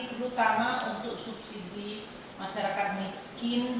terutama untuk subsidi masyarakat miskin